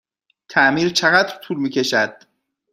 تعمیر چقدر طول می کشد؟